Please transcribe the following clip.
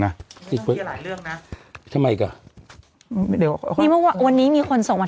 น่ะไม่ต้องเคลียร์หลายเรื่องน่ะทำไมก็นี่เมื่อวันวันนี้มีคนส่งมา